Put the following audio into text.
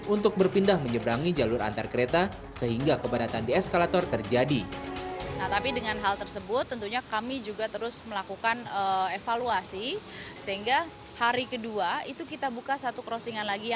untuk berpindah menyeberangi jalur antar kereta sehingga keberatan di eskalator terjadi